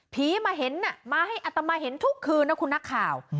ผีมาเห็นน่ะมาให้อัตมาเห็นทุกคืนนะคุณนักข่าว